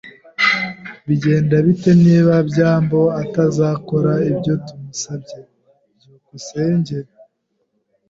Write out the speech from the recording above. Bigenda bite niba byambo atazakora ibyo tumusabye? byukusenge